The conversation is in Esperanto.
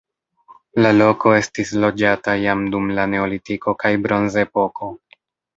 La loko estis loĝata jam dum la neolitiko kaj bronzepoko.